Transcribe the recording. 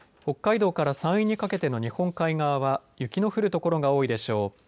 北海道から山陰にかけての日本海側は雪の降る所が多いでしょう。